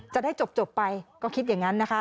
จะได้จบไปก็คิดอย่างนั้นนะคะ